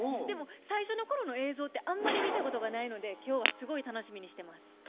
でも最初の頃の映像ってあんまり見たことがないので今日はすごい楽しみにしてます。